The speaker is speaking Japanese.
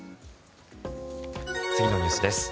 次のニュースです。